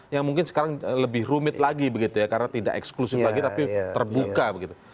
yang mungkin sekarang lebih rumit lagi begitu ya karena tidak eksklusif lagi tapi terbuka begitu